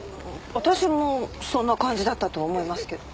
私もそんな感じだったと思いますけど。